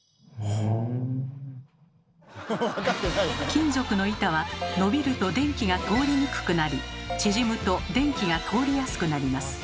金属の板は伸びると電気が通りにくくなり縮むと電気が通りやすくなります。